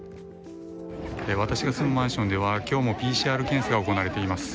私が住むマンションでは今日もＰＣＲ検査が行われています。